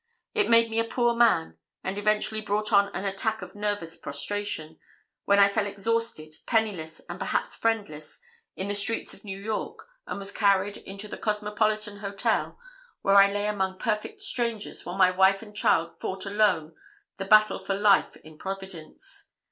It made me a poor man, and eventually brought on an attack of nervous prostration, when I fell exhausted, penniless and perhaps friendless, in the streets of New York, and was carried into the Cosmopolitan Hotel, where I lay among perfect strangers, while my wife and child fought alone the battle for life in Providence.